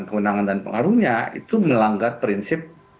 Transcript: kewenangan dan pengaruhnya itu melanggar prinsip